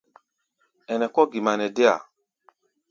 Ɛnɛ kɔ̧́ gima nɛ déa.